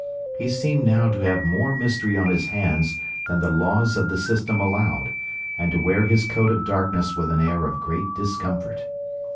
He seemed now to have more mystery on his hands than the laws of the system allowed, and to wear his coat of darkness with an air of great discomfort.